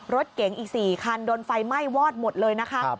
รถเก๋งอีก๔คันโดนไฟไหม้วอดหมดเลยนะคะ